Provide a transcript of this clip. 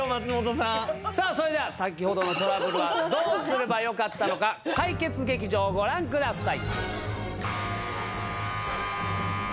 さあそれでは先程のトラブルはどうすれば良かったのか解決劇場をご覧ください。